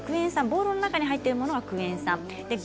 ボウルの中に入っているものがクエン酸です。